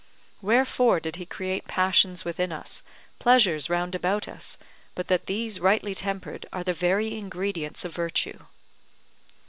Wherefore did he create passions within us, pleasures round about us, but that these rightly tempered are the very ingredients of virtue?